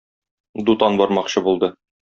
Дутан бармакчы булды.